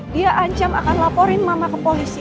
dia ancam akan laporin mama ke polisi